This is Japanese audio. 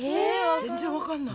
全然わかんない。